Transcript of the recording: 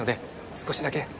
少しだけ。